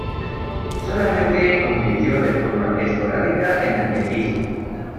Solamente compitió de forma esporádica en atletismo.